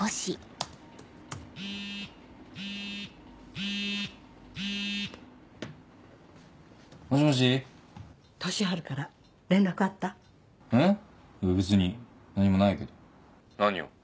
いや別に何もないけど何よ。